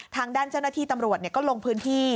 ทางด้านเจ้าหน้าที่ตำรวจก็ลงพื้นที่